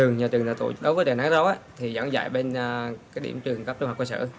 giảng dạy bên cái điểm trường cấp trung học cơ sở